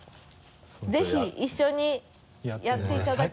ぜひ一緒にやっていただけると。